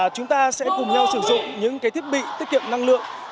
chúng ta sẽ cùng nhau sử dụng những cái thiết bị tiết kiệm năng lượng